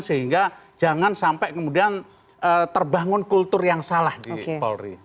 sehingga jangan sampai kemudian terbangun kultur yang salah di polri